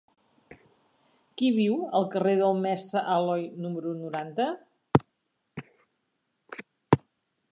Qui viu al carrer del Mestre Aloi número noranta?